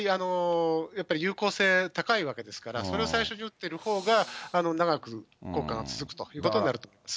やっぱり有効性高いわけですから、それを最初に打ってるほうが、長く効果が続くということになると思います。